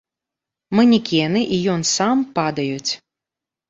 Манекены і ён сам падаюць.